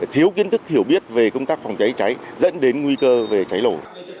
thiếu kiến thức hiểu biết về công tác phòng cháy cháy dẫn đến nguy cơ về cháy nổ